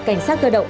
cảnh sát cơ động